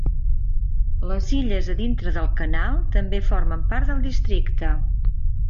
Les illes a dintre del canal també formen part del districte.